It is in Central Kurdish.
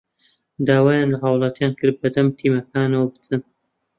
داوایان لە هاوڵاتیان کرد بەدەم تیمەکانەوە بچن